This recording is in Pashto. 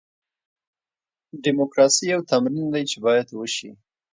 ډیموکراسي یو تمرین دی چې باید وشي.